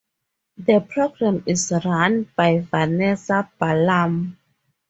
The program is run by Vanessa Ballam.